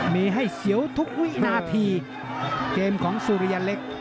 มีให้เสียวทุกวินาทีเกมของสุริยันเล็ก